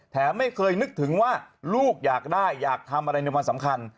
ไม่เคยนึกถึงว่าลูกอยากได้อยากทำอะไรในวันสำคัญ